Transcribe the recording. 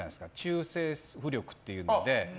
中性浮力っていうので。